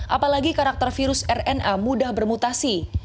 apalagi karakter virus rna mudah bermutasi